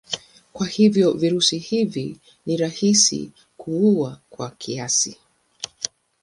Kwa hivyo virusi hivi ni rahisi kuua kwa kiasi.